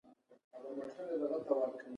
بې اطمیناني بد دی.